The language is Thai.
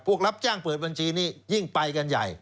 รับจ้างเปิดบัญชีนี่ยิ่งไปกันใหญ่